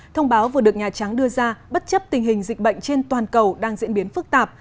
thông báo vừa được nhà trắng đưa ra bất chấp tình hình dịch bệnh trên toàn cầu đang diễn biến phức tạp